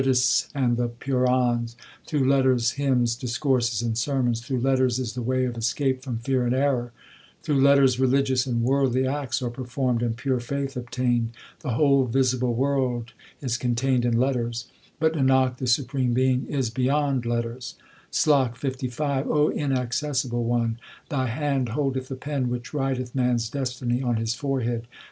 O 2 196 THE SIKH RELIGION Through letters the Shastars, the Simritis, and the Purans ; Through letters hymns, discourses, and sermons ; Through letters is the way of escape from fear and error ; Through letters religious and worldly acts are performed and pure faith obtained. The whole visible world is contained in letters ; But, Nanak, the Supreme Being is beyond letters. SLOK LV O inaccessible One, Thy hand holdeth the pen which writeth man s destiny on his forehead.